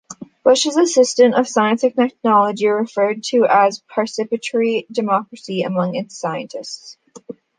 Bush's assistant for science and technology, referred to as "participatory democracy" among its scientists.